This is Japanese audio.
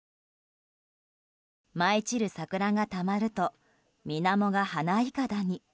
舞い散る桜がたまると水面が花いかだに。